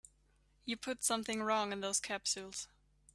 You put something wrong in those capsules.